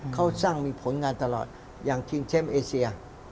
เขาสร้างมีผลงานตลอดอย่างชิงแชมป์เอเซีย